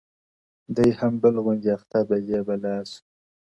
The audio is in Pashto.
دی هم بل غوندي اخته په دې بلا سو!!